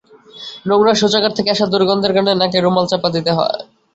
নোংরা শৌচাগার থেকে আসা দুর্গন্ধের কারণে নাকে রুমাল চাপা দিতে হয়।